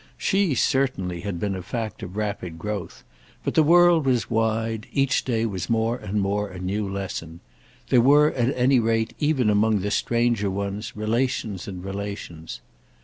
She certainly had been a fact of rapid growth; but the world was wide, each day was more and more a new lesson. There were at any rate even among the stranger ones relations and relations.